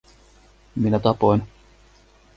Minä tapoin.